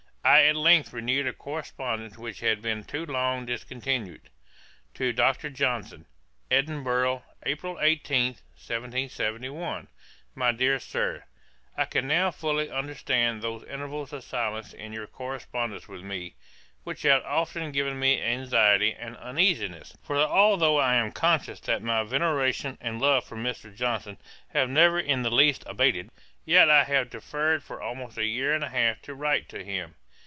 I at length renewed a correspondence which had been too long discontinued: 'To DR. JOHNSON. 'Edinburgh, April 18, 1771. 'MY DEAR SIR, 'I can now fully understand those intervals of silence in your correspondence with me, which have often given me anxiety and uneasiness; for although I am conscious that my veneration and love for Mr. Johnson have never in the least abated, yet I have deferred for almost a year and a half to write to him.'